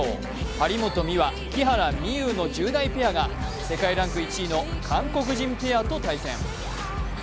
張本美和・木原美悠の１０代ペアが世界ランク１位の韓国人ペアと対戦。